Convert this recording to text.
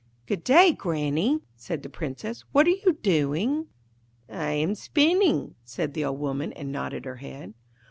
'Good day, Granny,' said the Princess; 'what are you doing?' 'I am spinning,' said the old woman, and nodded her head.